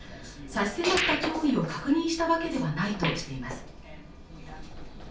差し迫った脅威を確認したわけではないとしています